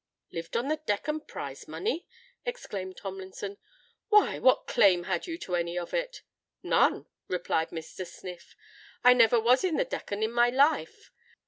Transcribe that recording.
"Lived on the Deccan Prize Money!" exclaimed Tomlinson: "why—what claim had you to any of it?" "None," replied Mr. Sniff; "I never was in the Deccan in my life.